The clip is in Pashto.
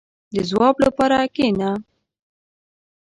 • د ځواب لپاره کښېنه.